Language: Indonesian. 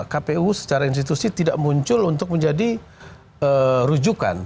kpu secara institusi tidak muncul untuk menjadi rujukan